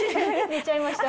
寝ちゃいました。